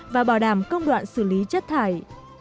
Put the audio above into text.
và bảo đảm công đoạn xử lý chất thải